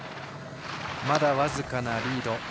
まだ僅かなリード。